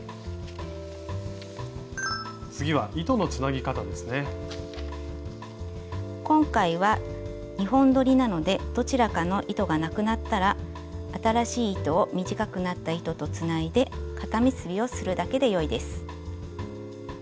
次は今回は２本どりなのでどちらかの糸がなくなったら新しい糸を短くなった糸とつないで固結びをするだけでよいです。